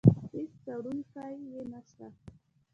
هېڅ تروړونکی يې نشته.